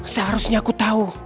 seharusnya aku tahu